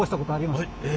え！